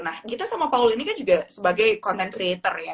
nah gita sama paul ini kan juga sebagai content creator ya